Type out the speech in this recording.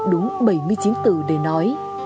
đúng bảy mươi chín từ để nói